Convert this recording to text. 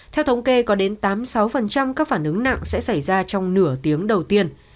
theo thống kê có đến tám mươi sáu các phản ứng nặng sẽ xảy ra trong nửa tiếng đầu tiên